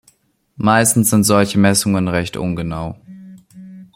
Meistens sind solche Messungen recht ungenau.